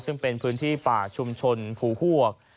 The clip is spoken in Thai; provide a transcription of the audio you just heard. ซึ่งเป็นพื้นที่ป่าชุมชนภูฮวก